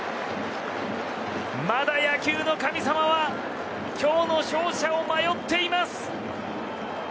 まだ野球の神様は今日の勝者を迷っています！